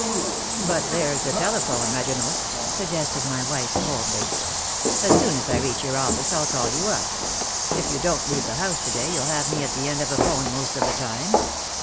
"But there's the telephone, Reginald," suggested my wife, coldly. "As soon as I reach your office I'll call you up. If you don't leave the house to day you'll have me at the end of a 'phone most of the time.